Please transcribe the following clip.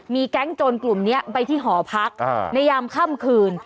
แก๊งโจรกลุ่มนี้ไปที่หอพักในยามค่ำคืน